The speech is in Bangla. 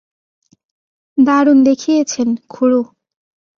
দারুণ দেখিয়েছেন, খুড়ো।